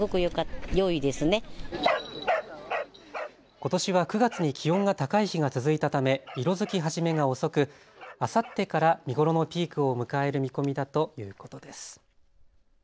ことしは９月に気温が高い日が続いたため色づき始めが遅くあさってから見頃のピークを迎える見込みだということです。